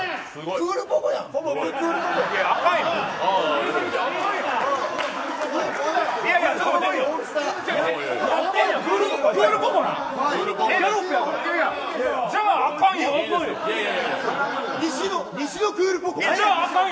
クールポコなん。